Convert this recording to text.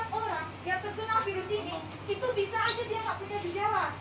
tolongkan bapak kembali dulu di sana